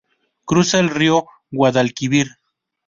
Cruza el río Guadalquivir.